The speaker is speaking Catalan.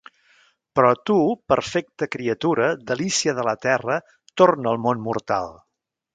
Però tu, perfecta criatura, delícia de la terra, torna al món mortal!